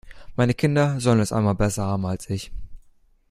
Meine Kinder sollen es einmal besser haben als ich.